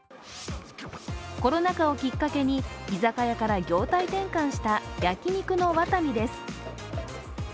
コロナ禍をきっかけに居酒屋から業態転換した焼肉の和民です。